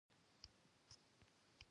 تایمنى د سلطان غیاث الدین معاصر وو.